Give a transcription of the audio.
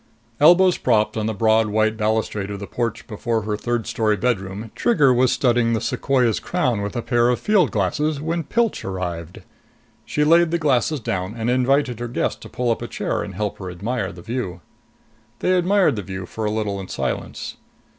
Elbows propped on the broad white balustrade of the porch before her third story bedroom, Trigger was studying the sequoia's crown with a pair of field glasses when Pilch arrived. She laid the glasses down and invited her guest to pull up a chair and help her admire the view. They admired the view for a little in silence.